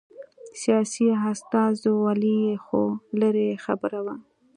سیاسي استازولي خو لرې خبره وه